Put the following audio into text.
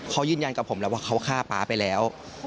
เขายืนยันกับผมแล้วว่าเขาฆ่าป๊าไปแล้ว